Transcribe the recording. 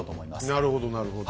なるほどなるほど。